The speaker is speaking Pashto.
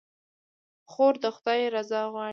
خور د خدای رضا غواړي.